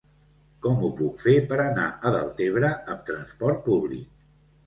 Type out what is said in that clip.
Com ho puc fer per anar a Deltebre amb trasport públic?